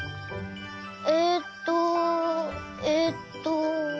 えっとえっと。